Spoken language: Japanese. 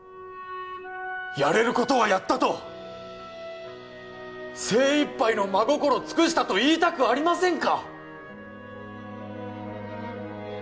やれることはやったと精一杯の真心尽くしたと言いたくありませんか？